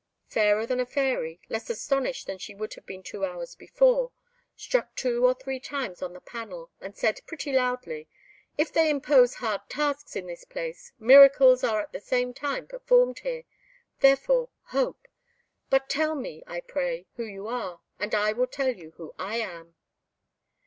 Fairer than a Fairy, less astonished than she would have been two hours before, struck two or three times on the panel, and said pretty loudly, "If they impose hard tasks in this place, miracles are at the same time performed here therefore, hope! But tell me, I pray, who you are, and I will tell you who I am."